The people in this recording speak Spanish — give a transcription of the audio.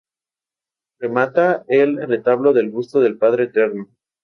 Remata el retablo el busto del Padre Eterno.